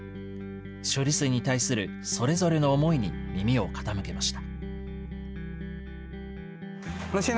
処理水に対するそれぞれの思いに耳を傾けました。